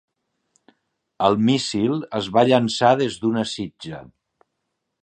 El míssil es va llançar des d'una sitja.